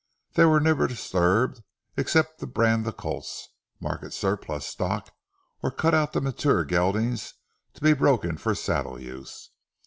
They were never disturbed except to brand the colts, market surplus stock, or cut out the mature geldings to be broken for saddle use.